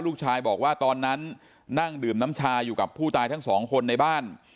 ลูกชายบอกว่าตอนนั้นนั่งดื่มน้ำชาอยู่กับผู้ตายทั้งสองคนในบ้าน